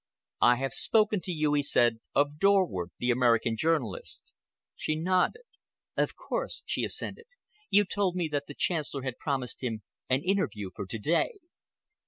"I have spoken to you," he said, "of Dorward, the American journalist." She nodded. "Of course," she assented. "You told me that the Chancellor had promised him an interview for to day."